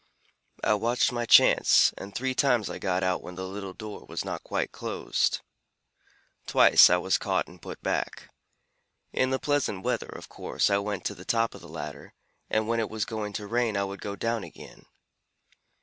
I watched my chance, and three times I got out when the little door was not quite closed. Twice I was caught and put back. In the pleasant weather, of course, I went to the top of the ladder, and when it was going to rain I would go down again.